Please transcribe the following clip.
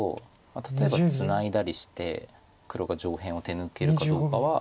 例えばツナいだりして黒が上辺を手抜けるかどうかは。